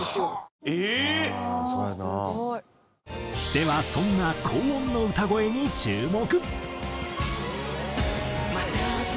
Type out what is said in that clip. ではそんな高音の歌声に注目！